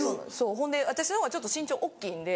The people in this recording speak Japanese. ほんで私の方がちょっと身長大っきいんで。